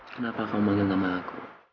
kenapa kamu memanggil nama aku